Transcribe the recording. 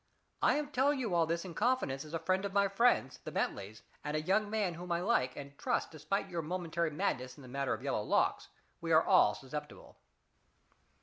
I am telling you all this in confidence as a friend of my friends, the Bentleys, and a young man whom I like and trust despite your momentary madness in the matter of yellow locks we are all susceptible.